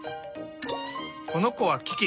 このこはキキ。